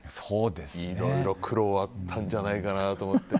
いろいろ苦労はあったんじゃないかなと思って。